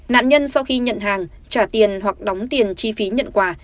nạn nhân sau khi nhận hàng trả tiền hoặc đóng tiền chi phí nhận quà